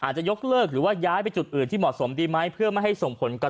จะยกเลิกหรือว่าย้ายไปจุดอื่นที่เหมาะสมดีไหมเพื่อไม่ให้ส่งผลกระทบ